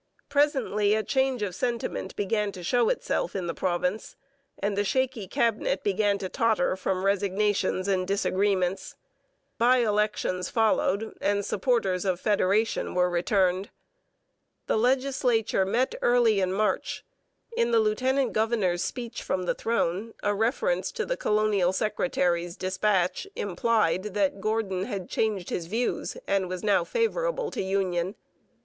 Presently a change of sentiment began to show itself in the province, and the shaky Cabinet began to totter from resignations and disagreements. By elections followed and supporters of federation were returned. The legislature met early in March. In the lieutenant governor's speech from the throne, a reference to the colonial secretary's dispatch implied that Gordon had changed his views and was now favourable to union.